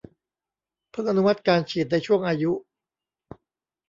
เพิ่งอนุมัติการฉีดในช่วงอายุ